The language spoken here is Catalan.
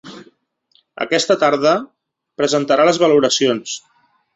Aquesta tarda presentarà les valoracions.